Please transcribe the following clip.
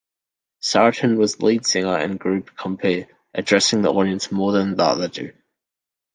Sartin was lead singer and group-compere, addressing the audience more than the other two.